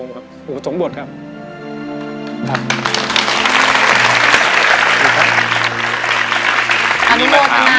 ผมสัมบวชครับ